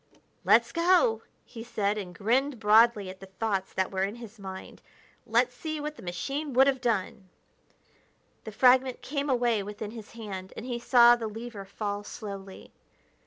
"Let's go!" he said, and grinned broadly at the thoughts that were in his mind. "Let's see what the machine would have done!" The fragment came away within his hand, and he saw the lever fall slowly.